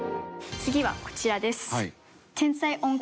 次はこちらです。